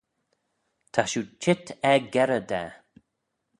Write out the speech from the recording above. Ta shiu çheet er gerrey da!